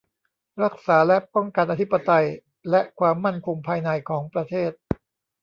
รักษาและป้องกันอธิปไตยและความมั่นคงภายในของประเทศ